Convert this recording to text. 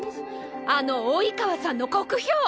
あの生川さんの酷評！